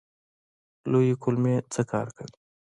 لویې کولمې څه کار کوي؟